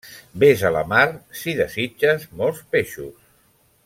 Vés a la mar, si desitges molts peixos.